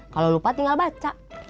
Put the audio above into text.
kalau lupa tinggal baca